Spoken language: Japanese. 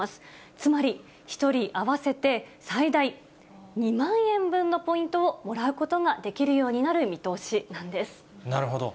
つまり１人合わせて最大２万円分のポイントをもらうことができるなるほど。